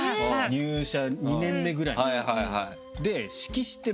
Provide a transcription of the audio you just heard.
入社２年目ぐらいまで。